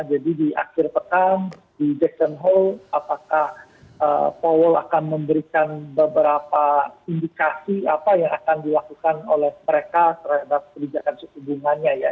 jadi di akhir pekan di jackson hole apakah powell akan memberikan beberapa indikasi apa yang akan dilakukan oleh mereka terhadap kebijakan suku bunganya ya